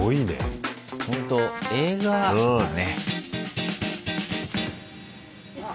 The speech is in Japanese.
ほんと映画だね。